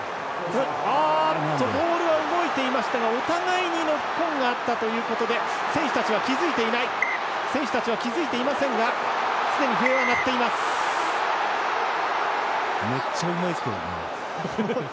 ボールは動いていましたがお互いにノックオンがあったということで選手たちは気付いていませんがめっちゃうまいですけどね。